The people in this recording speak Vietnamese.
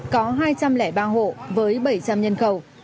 có hai trăm linh ba hộ với bảy trăm linh nhân khẩu